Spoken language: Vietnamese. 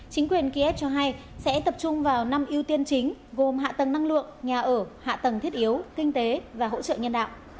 chính quyền kiev cho hay sẽ tập trung vào năm ưu tiên chính gồm hạ tầng năng lượng nhà ở hạ tầng thiết yếu kinh tế và hỗ trợ nhân đạo